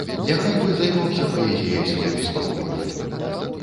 Няхай бы займаўся паэзіяй сваёй спакойна.